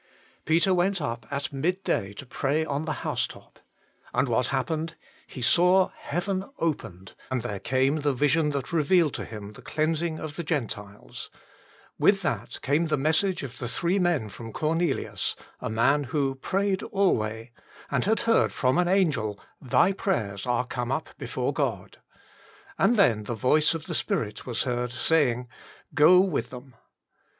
Peter went up at midday to pray on the housetop. And what happened ? He saw heaven opened, and there came the vision that revealed to him the cleansing of the Gentiles ; with that came the message of the three men from Cornelius, a man who " prayed alway," and had heard from an angel, " Thy prayers are come up before God "; and then the voice of the Spirit was heard saying, " Go with them."